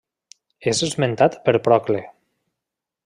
És esmentat per Procle.